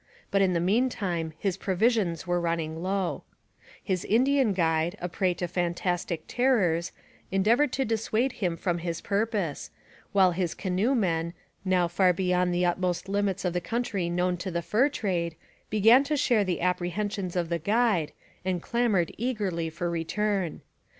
But in the meantime his provisions were running low. His Indian guide, a prey to fantastic terrors, endeavoured to dissuade him from his purpose, while his canoe men, now far beyond the utmost limits of the country known to the fur trade, began to share the apprehensions of the guide, and clamoured eagerly for return.